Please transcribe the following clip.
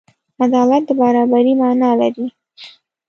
عدالت د برابري معنی لري.